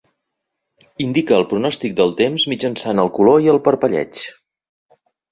Indica el pronòstic del temps mitjançant el color i el parpelleig.